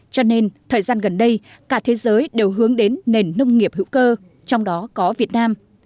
cho nên thời gian gần đây cả thế giới đều hướng đến nền nông nghiệp hữu cơ trong đó có việt nam